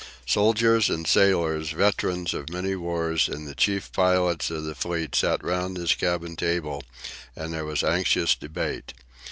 Soldiers and sailors, veterans of many wars, and the chief pilots of the fleet sat round his cabin table, and there was anxious debate.